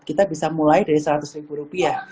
kita bisa mulai dari seratus ribu rupiah